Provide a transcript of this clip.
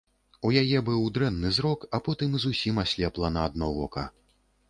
У яе быў дрэнны зрок, а потым і зусім аслепла на адно вока.